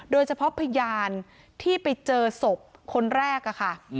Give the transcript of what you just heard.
โดยเฉพาะพยานที่ไปเจอศพคนแรกค่ะ